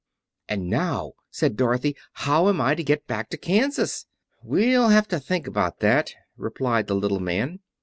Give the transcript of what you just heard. "And now," said Dorothy, "how am I to get back to Kansas?" "We shall have to think about that," replied the little man.